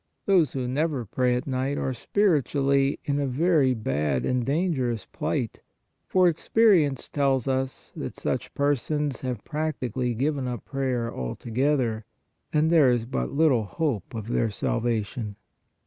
Those who never pray at night are spiritually in a very bad and dangerous plight, for experience tells us that such I 3 o PRAYER persons have practically given up prayer altogether, and there is but little hope of their salvation.